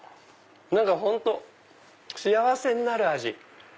本当幸せになる味。